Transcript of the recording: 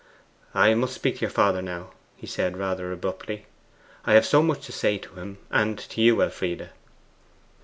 'I must speak to your father now,' he said rather abruptly; 'I have so much to say to him and to you, Elfride.